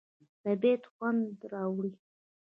طبیعت خوند راوړي.